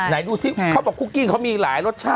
ไหนดูสิเขาบอกคุกกี้เขามีหลายรสชาติ